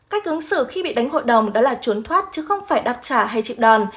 cách ứng xử khi bị đánh hội đồng đó là trốn thoát chứ không phải đáp trả hay chịu đòn